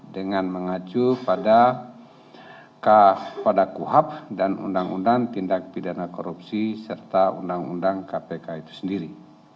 dengan mengacu pada kuhap dan undang undang tindak pidana korupsi serta undang undang kpk itu sendiri